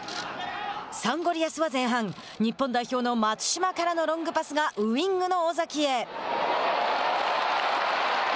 サンゴリアスは前半日本代表の松島からのパスがウイングの尾崎へ。